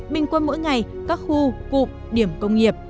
bình quân mỗi ngày các khu cụm điểm công nghiệp